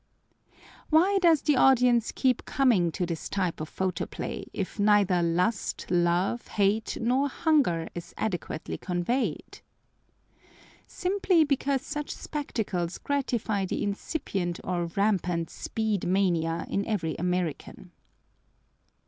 Why does the audience keep coming to this type of photoplay if neither lust, love, hate, nor hunger is adequately conveyed? Simply because such spectacles gratify the incipient or rampant speed mania in every American.